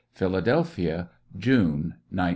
Philadelphia, June, 1900.